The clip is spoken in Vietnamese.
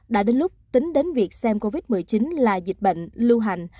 đã đến lúc tính đến việc xem covid một mươi chín là dịch bệnh lưu hành